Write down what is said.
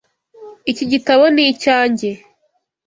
Iki gitabo ni icyanjye.